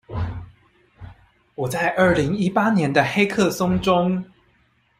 我在二零一八年的黑客松中